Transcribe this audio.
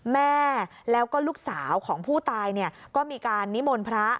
แม่แล้วก็ลูกสาวของผู้ตายก็มีการนิมนต์พระ